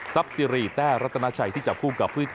ซับซีรีแต่รัตนาชัยที่จับคู่กับ